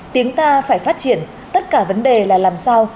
tiếng ta phải phát triển tất cả vấn đề là làm sao